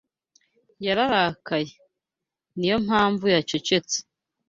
Yararakaye. Niyo mpamvu yacecetse.